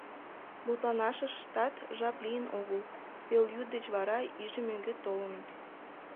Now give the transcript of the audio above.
Мутланашыштат жап лийын огыл: пелйӱд деч вара иже мӧҥгӧ толыныт.